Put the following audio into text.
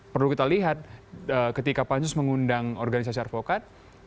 perlu kita lihat ketika pak ansus mengundang organisasi advokat